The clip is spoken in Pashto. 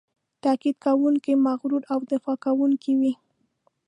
تاکید کوونکی، مغرور او دفاع کوونکی وي.